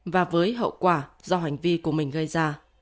và với hậu quả do hành vi của mình gây ra